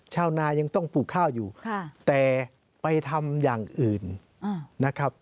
ชาวนายังต้องปลูกข้าวอยู่แต่ไปทำอย่างอื่นนะครับ